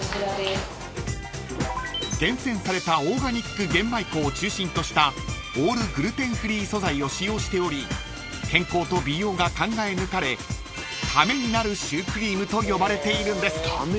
［厳選されたオーガニック玄米粉を中心としたオールグルテンフリー素材を使用しており健康と美容が考え抜かれためになるシュークリームと呼ばれているんです］